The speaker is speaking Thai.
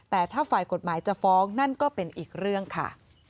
แต่ถ้าฝ่ายกฎหมายจะฟ้องนั่นก็เป็นอีกเรื่องค่ะ